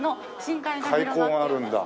海溝があるんだ。